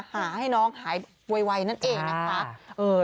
หาให้น้องหายไวนั่นเองนะคะ